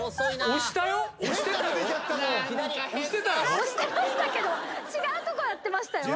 押してましたけど違うとこやってましたよ。